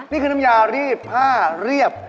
นี่คือน้ำยารีบผ้าเรียบ